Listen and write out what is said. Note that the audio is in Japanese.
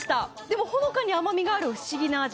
でも、ほのかに甘味がある不思議な味。